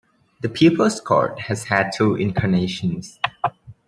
"The People's Court" has had two incarnations.